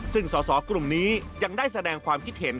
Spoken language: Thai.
ซึ่งสอสอกลุ่มนี้ยังได้แสดงความคิดเห็น